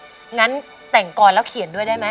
งั้นแต่งก่อนแล้วเขียนด้วยได้ไหม